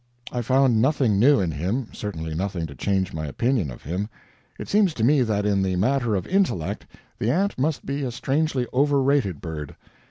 I found nothing new in him certainly nothing to change my opinion of him. It seems to me that in the matter of intellect the ant must be a strangely overrated bird.